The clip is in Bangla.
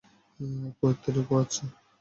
পুয়ের্তো রিকো, আচ্ছা।